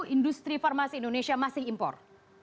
industri farmasi indonesia masih impor